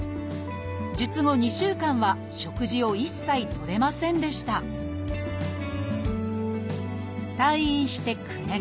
術後２週間は食事を一切とれませんでした退院して９年。